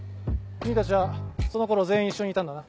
君たちはその頃全員一緒にいたんだな？